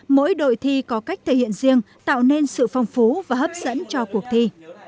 mỗi đội thi có cách thể hiện riêng tạo nên sự phong phú và hấp dẫn cho cuộc thi